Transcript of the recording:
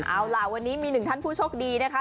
เอาล่ะวันนี้มีหนึ่งท่านผู้โชคดีนะคะ